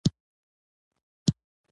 ژاوله مختلف خوندونه لري.